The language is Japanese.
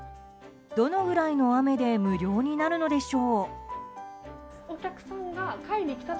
どのぐらいの雨で無料になるのでしょう？